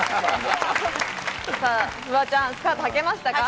フワちゃん、スカートはけましたか？